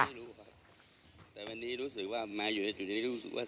แต่วันนี้รู้สึกว่ามายุที่รู้สึกว่า